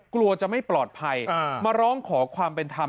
กลัวจะไม่ปลอดภัยมาร้องขอความเป็นธรรม